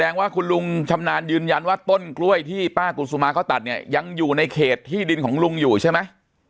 แสดงว่าคุณลุงชำนาญยืนยันว่าต้นกล้วยที่ป้ากุศุมาเขาตัดเนี่ยยังอยู่ในเขตที่ดินของลุงอยู่ใช่ไหม